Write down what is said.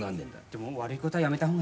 でも悪いことはやめた方が。